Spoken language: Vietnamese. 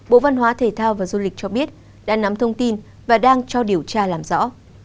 bộ văn hóa thể thao và du lịch cho biết đã nắm thông tin và đang cho điều tra làm rõ